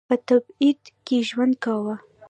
په تبعید کې ژوند کاوه.